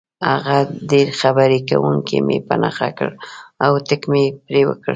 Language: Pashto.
هغه ډېر خبرې کوونکی مې په نښه کړ او ټک مې پرې وکړ.